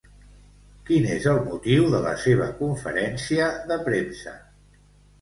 Quin és el motiu de la seva conferència de premsa?